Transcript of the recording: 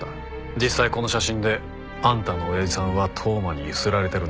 実際この写真であんたの親父さんは当麻にゆすられてるな？